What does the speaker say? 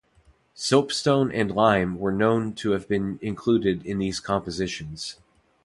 Soapstone and lime were known to have been included in these compositions.